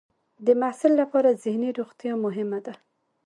د محصل لپاره ذهني روغتیا مهمه ده.